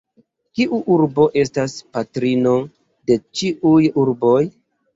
Kiu urbo estas patrino de ĉiuj urboj?